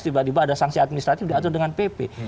tiba tiba ada sanksi administratif diatur dengan pp